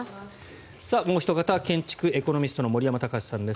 もうおひと方建築エコノミストの森山高至さんです。